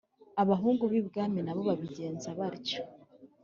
abahungu b'ibwami na bo babigenza batyo.